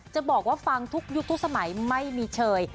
จะบอกว่าฟังทุกยุคทุกสมัยไม่มีเชย